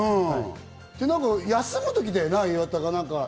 休むときだよな、岩田が。